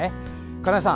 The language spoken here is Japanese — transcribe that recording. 金井さん。